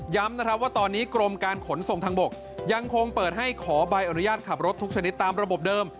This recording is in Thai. นะครับว่าตอนนี้กรมการขนส่งทางบกยังคงเปิดให้ขอใบอนุญาตขับรถทุกชนิดตามระบบเดิม